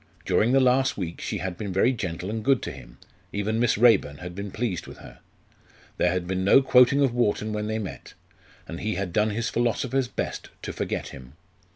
During the last week she had been very gentle and good to him even Miss Raeburn had been pleased with her. There had been no quoting of Wharton when they met; and he had done his philosopher's best to forget him.